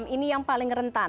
ini yang paling rentan